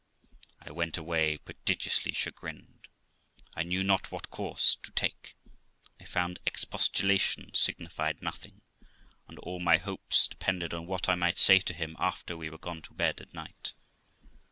I went away prodigiously chagrined. I knew not what course to take; I found expostulation signified nothing, and all my hopes depended on what I might say to him after we were gone to bed at night.